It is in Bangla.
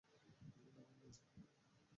না - না?